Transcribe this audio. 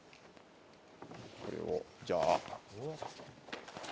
これをじゃあ。